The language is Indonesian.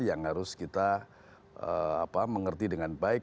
yang harus kita mengerti dengan baik